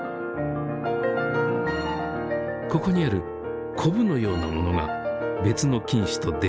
ここにあるこぶのようなものが別の菌糸と出会ったしるしです。